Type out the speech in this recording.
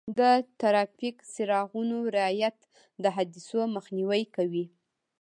د ټرافیک څراغونو رعایت د حادثو مخنیوی کوي.